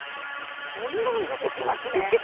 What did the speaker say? どんどん出てきますね。